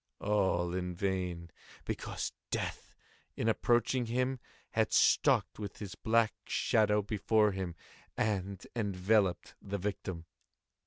All in vain; because Death, in approaching him had stalked with his black shadow before him, and enveloped the victim.